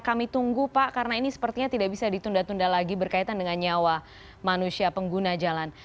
kami tunggu pak karena ini sepertinya tidak bisa ditunda tunda lagi berkaitan dengan nyawa manusia pengguna jalan